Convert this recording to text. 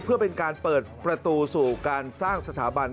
เพื่อเป็นการเปิดประตูสู่การสร้างสถาบัน